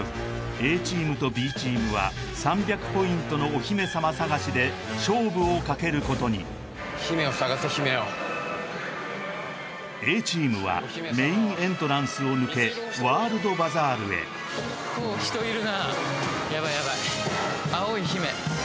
ＡチームとＢチームは３００ポイントのお姫様探しで勝負をかけることに姫をＡチームはメインエントランスを抜けワールドバザールへ結構人いるなヤバいヤバい青い姫